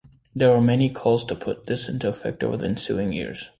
There were many calls to put this into effect over the ensuing years.